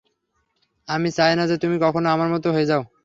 আমি চাই না যে তুমি কখনো আমার মতো হয়ে যাও।